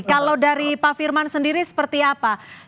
kalau dari pak firman sendiri seperti apa